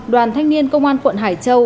đoàn thanh niên công an quận hải châu